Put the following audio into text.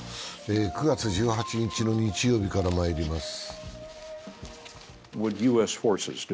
９月１８日の日曜日から参ります。